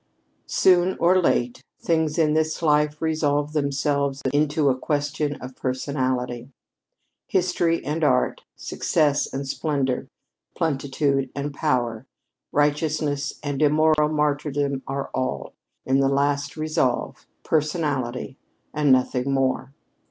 Soon or late things in this life resolve themselves into a question of personality. History and art, success and splendor, plenitude and power, righteousness and immortal martyrdom, are all, in the last resolve, personality and nothing more.